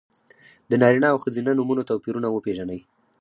د نارینه او ښځینه نومونو توپیرونه وپېژنئ!